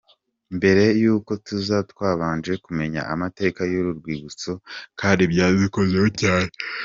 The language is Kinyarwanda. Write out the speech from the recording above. Mbere y’uko tuza twabanje kumenya amateka y’uru rwibutso kandi byadukozeho cyane.